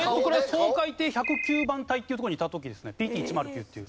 掃海艇１０９番隊っていうところにいた時ですねＰＴ−１０９っていう。